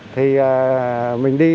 thì mình đi